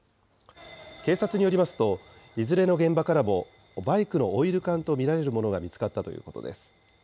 警察によりますと、いずれの現場からも、バイクのオイル缶と見られるものが見つかったということです。